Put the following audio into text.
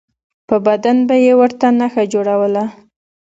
په بدن به یې ورته نښه جوړوله.